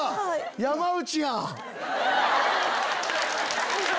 山内やん！